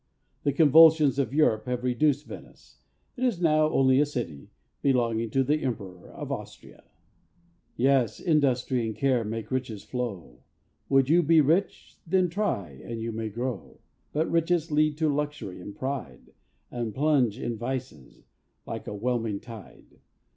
The convulsions of Europe have reduced Ve¬ nice; it is now only a city, belonging to the Emperor of Austria. Yes, industry and care make riches flow; Would you be rich, then try, and you may grow. But riches lead to luxury and pride, And plunge in vices, like a whelming tide.